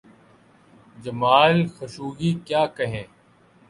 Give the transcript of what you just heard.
جمال Khashoggi… کیا کہیں؟